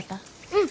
うん。